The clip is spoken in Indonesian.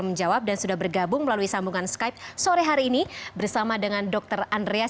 menjawab dan sudah bergabung melalui sambungan skype sore hari ini bersama dengan dokter andreas